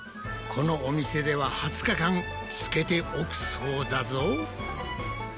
このお店では２０日間つけておくそうだぞ。